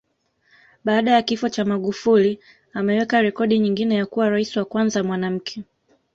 Baada ya kifo cha Magufuli ameweka rekodi nyingine ya kuwa Rais wa kwanza mwanamke